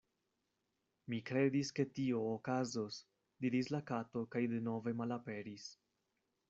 "Mi kredis ke tio okazos," diris la Kato kaj denove malaperis.